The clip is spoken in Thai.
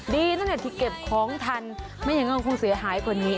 ดีนะเนี่ยที่เก็บของทันไม่อย่างนั้นคงเสียหายกว่านี้